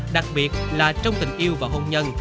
đặc biệt là trong tình yêu và hôn nhân